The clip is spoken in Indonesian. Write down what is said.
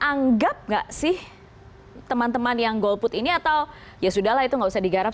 anggap nggak sih teman teman yang golput ini atau ya sudah lah itu nggak usah digarap